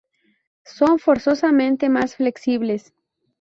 Son, forzosamente, más flexibles.